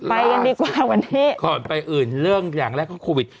ไปกันดีกว่าวันนี้ก่อนไปอื่นเรื่องอย่างแรกก็โควิด